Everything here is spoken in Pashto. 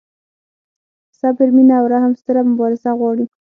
صبر، مینه او رحم ستره مبارزه غواړي.